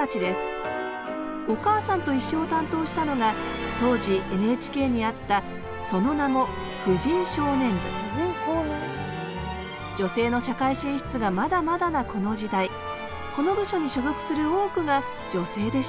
「おかあさんといっしょ」を担当したのが当時ＮＨＫにあったその名も女性の社会進出がまだまだなこの時代この部署に所属する多くが女性でした。